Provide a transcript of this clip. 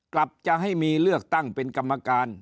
กลับจะให้มีเลือกตั้งเป็นกรรมการ